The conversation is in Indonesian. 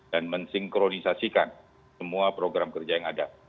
dan mensinkronisasikan semua program kerja yang ada